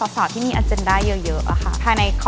สาวที่มีอาเจนด้าเยอะค่ะ